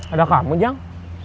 ada kamu jang